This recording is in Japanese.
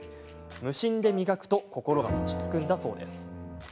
無心で磨くと心が落ち着くんだそう。